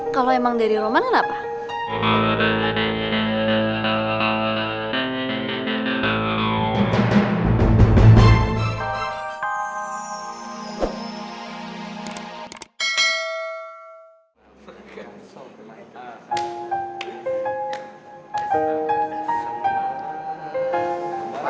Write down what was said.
kalo emang dari roman kenapa